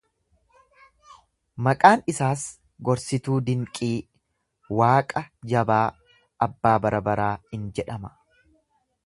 Maqaan isaas Gorsituu dinqii, Waaqa jabaa, Abbaa bara baraa in jedhama.